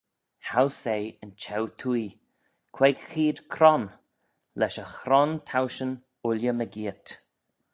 Howse eh yn cheu-twoaie, queig cheead cron, lesh y chron-towshan ooilley mygeayrt.